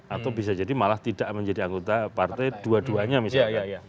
atau bisa jadi malah tidak menjadi anggota partai dua duanya misalkan